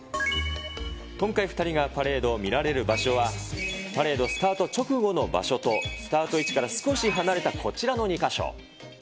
今回、２人がパレードを見られる場所は、パレードスタート直後の場所と、スタート位置から少し離れたこちらの２か所。